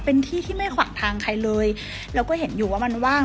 เป็นที่ที่ไม่ขวางทางใครเลยเราก็เห็นอยู่ว่ามันว่าง